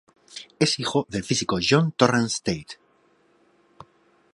Es hijo del físico John Torrance Tate.